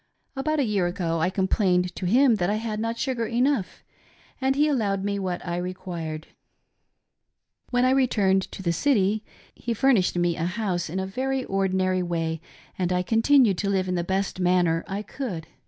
About a year ago I complained to him that I had not sugar enough and he allowed me what I required. When I retiimed to the city he furnished me a house in a very ordinary way and I continued to live in the best manner I could.